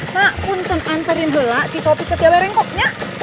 nak kum pengantarin hala si sopi ke siabarengkok nyak